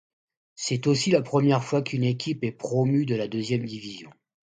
C’est aussi la première fois qu’une équipe est promue de la deuxième division.